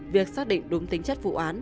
việc xác định đúng tính chất vụ án